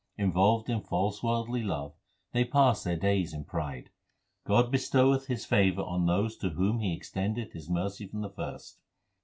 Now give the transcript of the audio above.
Involved in false worldly love they pass their days in pride. God bestoweth His full favour on those to whom He extendeth His mercy from the first.